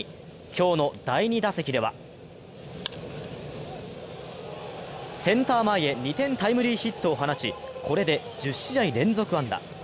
今日の第２打席ではセンター前へ２点タイムリーヒットを放ち、これで１０試合連続安打。